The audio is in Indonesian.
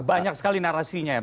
banyak sekali narasinya